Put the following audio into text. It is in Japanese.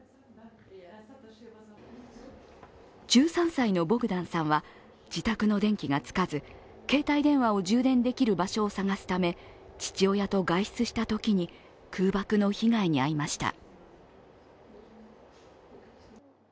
１３歳のボグダンさんは自宅の電気がつかず携帯電話を充電できる場所を探すため、父親と外出したときに空爆の被害に遭いました。